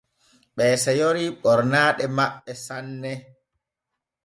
Ɓee seyori ɓornaaɗe maɓɓe sanne.